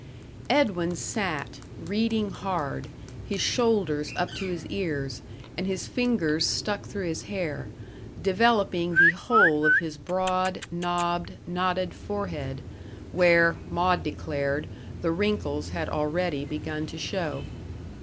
Edwin sat, reading hard his shoulders up to his ears, and his fingers stuck through his hair, developing the whole of his broad, knobbed, knotted forehead, where, Maud declared, the wrinkles had already begun to show.